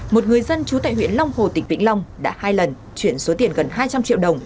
một người dân trú tại huyện long hồ tỉnh vĩnh long đã hai lần chuyển số tiền gần hai trăm linh triệu đồng